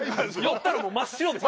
寄ったらもう真っ白です。